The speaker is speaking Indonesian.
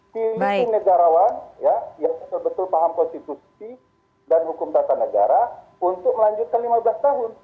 pilih itu negarawan yang betul betul paham konstitusi dan hukum tata negara untuk melanjutkan lima belas tahun